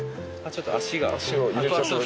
ちょっと足が。